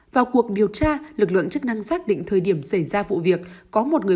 vào cuộc điều tra lực lượng chức năng xác định thời điểm xảy ra vụ việc